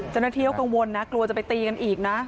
จนเที่ยวกังวลนะกลัวจะไปตีกันอีกนะ